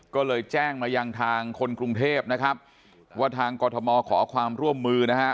ก็เลยแจ้งมายังทางคนกรุงเทพนะครับว่าทางกรทมขอความร่วมมือนะฮะ